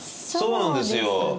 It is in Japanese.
そうなんですよ。